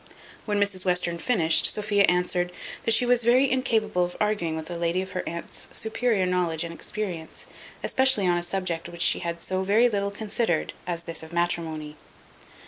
When Mrs Western had finished, Sophia answered, "That she was very incapable of arguing with a lady of her aunt's superior knowledge and experience, especially on a subject which she had so very little considered, as this of matrimony."